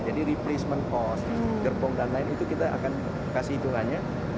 jadi replacement cost gerbong dan lain itu kita akan kasih uangnya